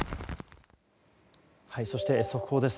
そして、速報です。